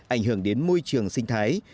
ảnh hưởng đến môi trường sinh thái